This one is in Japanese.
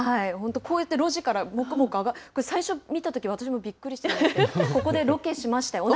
こうやって路地から、もくもく上がっていて、最初、見たとき、私もびっくりしまして、ここでロケしましたよ。